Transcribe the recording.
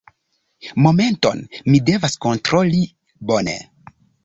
Momenton, mi devas kontroli. Bone.